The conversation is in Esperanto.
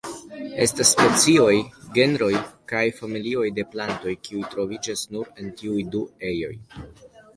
Estas specioj, genroj, kaj familioj de plantoj kiuj troviĝas nur en tiuj du ejoj.